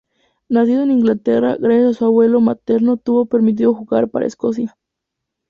Nacido en Inglaterra, gracias a su abuelo materno tuvo permitido jugar para Escocia.